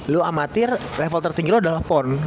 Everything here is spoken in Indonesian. lo amatir level tertinggi lo adalah pon